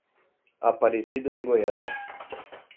Aparecida de Goiânia